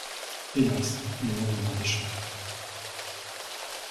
Hélas, les lendemains déchantent.